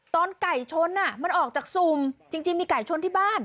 ตอนไก่ชนอ่ะมันออกจากทรงจิายังจีบมีไก่ชนที่บ้าน